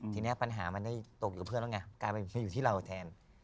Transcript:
ทีนี้ปัญหามันได้ตกอยู่กับเพื่อนแล้วไงกลายไปอยู่ที่เราแทน